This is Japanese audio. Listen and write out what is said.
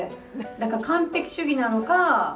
だから完璧主義なのか。